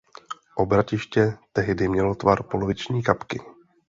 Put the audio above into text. Obratiště tehdy mělo tvar poloviční kapky.